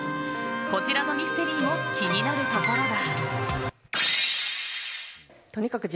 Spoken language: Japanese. こちらのミステリーも気になるところだ。